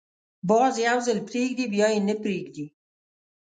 باز یو ځل پرېږدي، بیا یې نه پریږدي